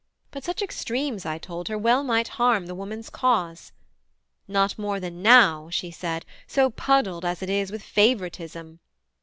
But such extremes, I told her, well might harm The woman's cause. "Not more than now," she said, "So puddled as it is with favouritism."